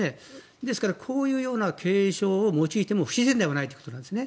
ですから、こういうような敬称を用いても不自然ではないということですね。